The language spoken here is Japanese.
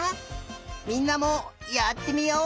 みんなもやってみよう！